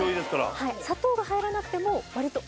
はい砂糖が入らなくても割と。